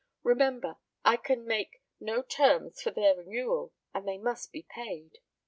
Remember, I can make no terms for their renewal, and they must be paid."